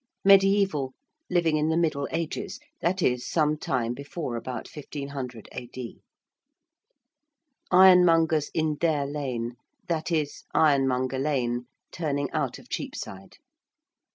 ~mediæval~: living in the middle ages, that is, some time before about 1500 A.D. ~ironmongers in their Lane~: that is, Ironmonger Lane, turning out of Cheapside.